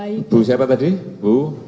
ibu siapa tadi ibu